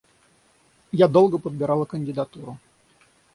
Я долго подбирала кандидатуру.